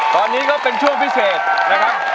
ตอนนี้ก็เป็นช่วงพิเศษนะครับ